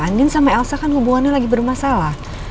andin sama elsa kan hubungannya lagi bermasalah